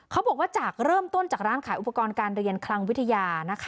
เขาบอกว่าจากเริ่มต้นจากร้านขายอุปกรณ์การเรียนคลังวิทยา